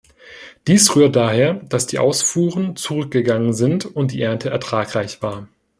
Dies rührt daher, dass die Ausfuhren zurückgegangen sind und die Ernte ertragreich war.